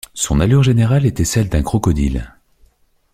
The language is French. Son allure générale était celle d'un crocodile.